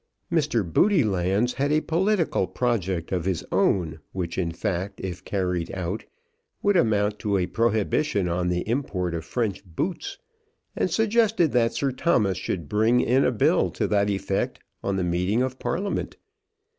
Mr. Roodylands had a political project of his own, which in fact, if carried out, would amount to a prohibition on the import of French boots, and suggested that Sir Thomas should bring in a bill to that effect on the meeting of Parliament.